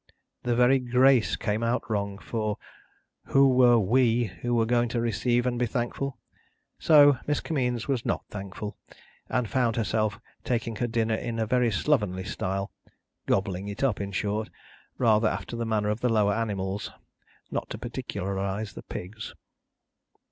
The very Grace came out wrong, for who were "we" who were going to receive and be thankful? So, Miss Kimmeens was not thankful, and found herself taking her dinner in very slovenly style gobbling it up, in short, rather after the manner of the lower animals, not to particularise the pigs.